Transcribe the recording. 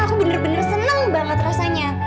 aku bener bener seneng banget rasanya